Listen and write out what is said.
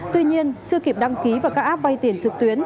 tuy nhiên chưa kịp đăng ký vào các app vay tiền trực tuyến